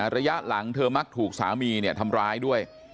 ระยะหลังเธอมักถูกสามีทำร้ายด้วย